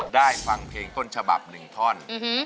ได้ฟังเพลงต้นฉบับ๑ท่อน